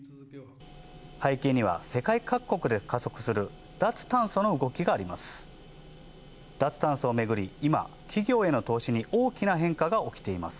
背景には世界各国で加速する脱炭素の動きがあります。